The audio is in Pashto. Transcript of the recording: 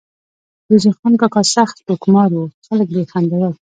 روزې خان کاکا سخت ټوکمار وو ، خلک به ئی خندول